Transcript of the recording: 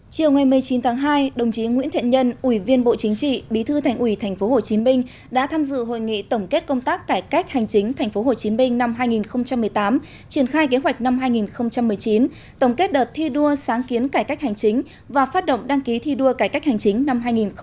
chiều ngày một mươi chín tháng hai đồng chí nguyễn thiện nhân ủy viên bộ chính trị bí thư thành ủy tp hcm đã tham dự hội nghị tổng kết công tác cải cách hành chính tp hcm năm hai nghìn một mươi tám triển khai kế hoạch năm hai nghìn một mươi chín tổng kết đợt thi đua sáng kiến cải cách hành chính và phát động đăng ký thi đua cải cách hành chính năm hai nghìn một mươi chín